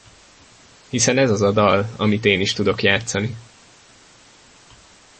Hiszen ez az a dal, amit én is tudok játszani!